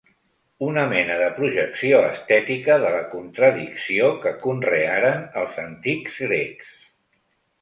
Una mena de projecció estètica de la contradicció que conrearen els antics grecs.